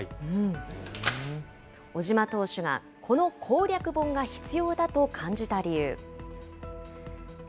小島投手が、この攻略本が必要だと感じた理由。